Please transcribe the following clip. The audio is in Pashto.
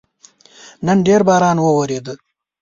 نن ډېر باران وورېده